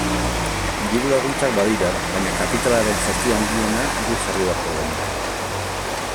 Diru-laguntzak badira, baina kapitalaren zati handiena guk jarri beharko genuke.